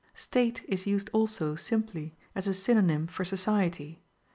State is used also simply as a synonym for society.